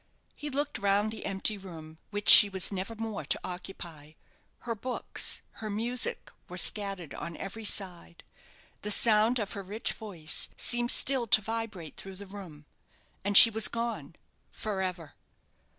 He looked round the empty room which she was never more to occupy. Her books, her music, were scattered on every side. The sound of her rich voice seemed still to vibrate through the room. And she was gone for ever!